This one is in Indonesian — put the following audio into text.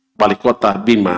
kepala kota bima